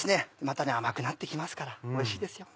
また甘くなって来ますからおいしいですよ。